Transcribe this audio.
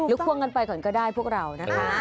ลุกพวงกันไปก่อนก็ได้พวกเรา